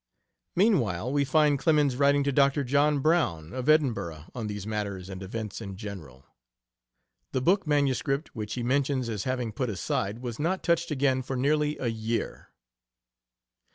Meanwhile we find Clemens writing to Dr. John Brown, of Edinburgh, on these matters and events in general. The book MS., which he mentions as having put aside, was not touched again for nearly a year.